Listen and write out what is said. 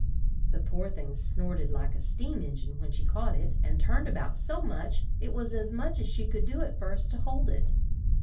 The poor thing snort ed like a steam en gine when she caught it, and turned a bout so much, it was as much as she could do at first to hold it.